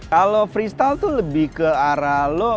kalau freestyle tuh lebih ke arah lo